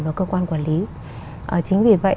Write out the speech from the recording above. và cơ quan quản lý chính vì vậy